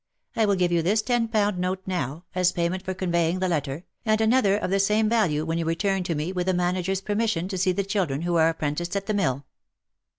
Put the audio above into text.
I will give you this ten pound note now, as pay ment for conveying the letter, and another of the same value when you return to me with the manager's permission to see the children who are apprenticed at the mill."